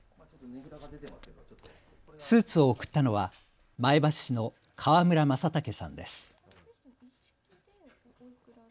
スーツを贈ったのは前橋市の河村正剛さんです。